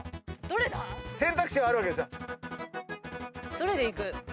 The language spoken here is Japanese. どれでいく？